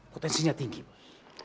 potensinya tinggi pak